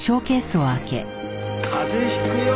風邪引くよ。